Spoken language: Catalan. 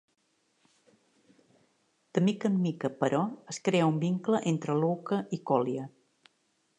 De mica en mica, però, es crea un vincle entre Louka i Kolya.